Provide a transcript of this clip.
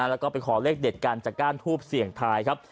แล้วก็ไปขอเลขเด็ดกันจากก้านทูบเสี่ยงทายครับ